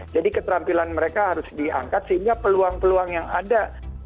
jadi keterampilan mereka harus diangkat sehingga peluang peluang yang ada